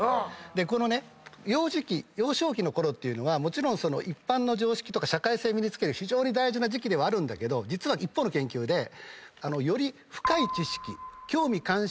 でこの幼児期幼少期のころはもちろん一般の常識とか社会性身に付ける非常に大事な時期ではあるんだけど一方の研究でより。